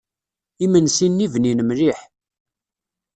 Imensi-nni bnin mliḥ.